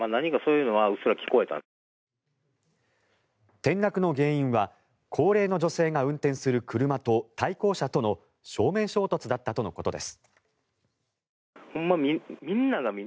転落の原因は高齢の女性が運転する車と対向車との正面衝突だったとのことです。